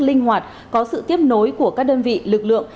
linh hoạt có sự tiếp nối của các đơn vị lực lượng